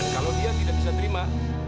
kalau dia tidak bisa terima